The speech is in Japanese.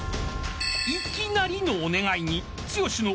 ［いきなりのお願いに剛の］